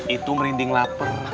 itu merinding lapar